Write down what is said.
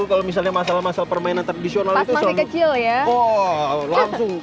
kalau misalnya masalah masalah permainan tradisional itu masih kecil ya oh langsung